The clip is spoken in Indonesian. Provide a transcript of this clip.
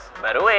sebelum kita pamit